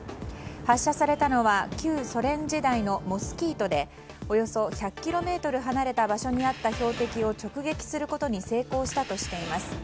発射されたのは旧ソ連時代のモスキートでおよそ１００ｋｍ離れた場所にあった標的を直撃することに成功したとしています。